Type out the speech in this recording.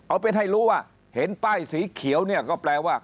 เอาไปให้รู้ว่าเห็นป้ายสีเขียวเนี่ยก็แปลว่า